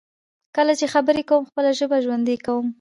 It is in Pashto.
کله چې خبرې کوم، خپله ژبه ژوندی کوم.